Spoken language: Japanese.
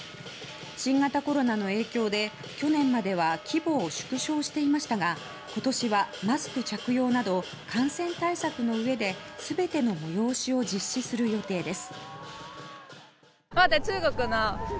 新型コロナの影響で、去年までは規模を縮小していましたが今年はマスク着用など感染対策のうえで全ての催しを実施する予定です。